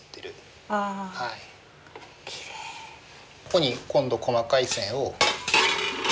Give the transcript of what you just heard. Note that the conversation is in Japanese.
ここに今度細かい線を。